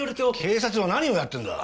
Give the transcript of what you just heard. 警察は何をやってんだ！